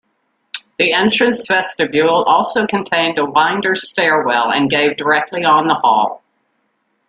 The entrance vestibule also contained a winder stairwell and gave directly on the hall.